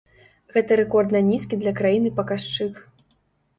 Гэта рэкордна нізкі для краіны паказчык.